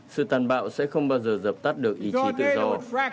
sự tàn bạo sẽ không bao giờ dập tắt được ý chí tự do